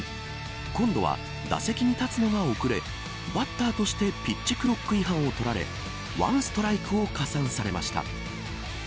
今度は打席に立つのが遅れバッターとしてピッチクロック違反を取られ１ストライクを加算されました。